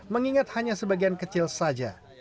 mengingat hanya sebagian kecil saja